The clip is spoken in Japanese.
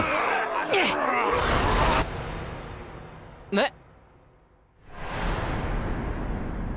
えっ？